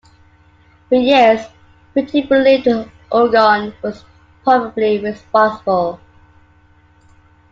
For years Britain believed the Irgun was probably responsible.